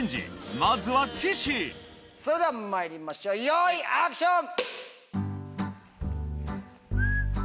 それではまいりましょうよいアクション！